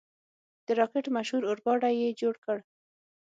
د راکټ مشهور اورګاډی یې جوړ کړ.